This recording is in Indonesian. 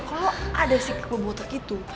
kalo ada si kebawa botak itu